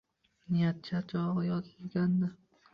Nihoyat charchog‘i yozilgandi